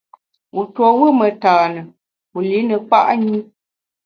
Wu tuo wù metane, wu li ne kpa’ nyi.